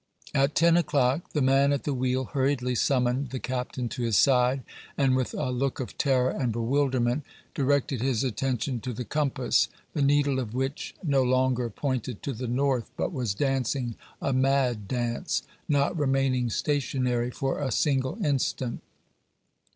At ten o'clock the man at the wheel hurriedly summoned the captain to his side, and, with a look of terror and bewilderment, directed his attention to the compass, the needle of which no longer pointed to the north, but was dancing a mad dance, not remaining stationary for a single instant.